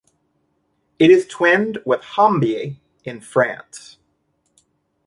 It is twinned with Hambye in France.